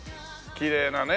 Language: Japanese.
きれいなね。